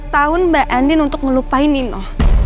empat tahun mbak andin untuk ngelupain nino